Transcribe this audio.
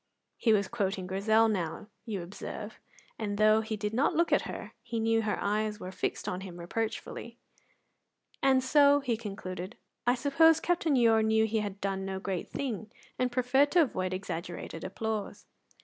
He was quoting Grizel now, you observe, and though he did not look at her, he knew her eyes were fixed on him reproachfully. "And so," he concluded, "I suppose Captain Ure knew he had done no great thing, and preferred to avoid exaggerated applause."